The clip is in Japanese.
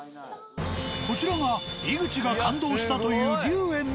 こちらが井口が感動したというきれい。